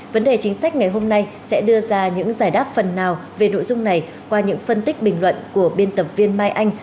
vấn đề chính sách ngày hôm nay sẽ đưa ra những giải đáp phần nào về nội dung này qua những phân tích bình luận của biên tập viên mai anh